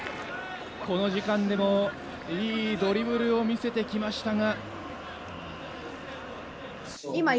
この時間でもいいドリブルを見せてきましたが。